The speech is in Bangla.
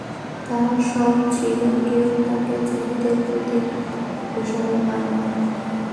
তারা শঙ্খ চিল কেও তাদের যুদ্ধের প্রতীক হিসেবে মানে।